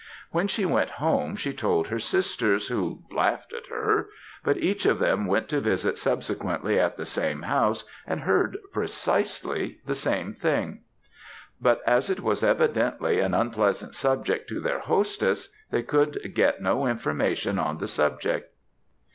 When she went home she told her sisters, who laughed at her; but each of them went to visit subsequently at the same house and heard precisely the same thing; but as it was evidently an unpleasant subject to their hostess, they could get no information on the subject."